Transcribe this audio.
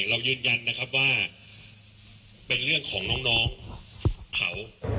ยืนยันนะครับว่าเป็นเรื่องของน้องเขา